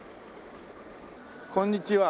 こんにちは。